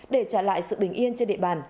để trả lại sự bình yên trên địa bàn